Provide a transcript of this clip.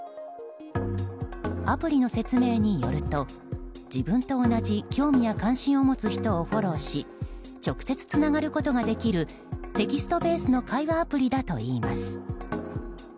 アプリの説明によると自分と同じ興味や関心を持つ人をフォローし直接つながることができるテキストベースの会話アプリだといいます。